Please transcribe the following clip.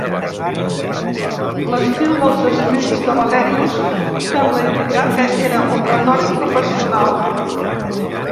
L'estil dels escrits de Valerius sembla indicar que era un retòric professional.